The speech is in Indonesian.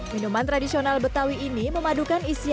minuman tradisional betawi ini memadukan isian kenyal dari lembut